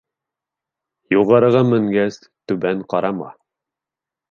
Юғарыға менгәс, түбән ҡарама.